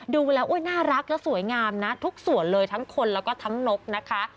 ดูแล้วน่ารักและสวยงามนะทุกส่วนเลยทั้งคนแล้วก็ทั้งนกนะคะ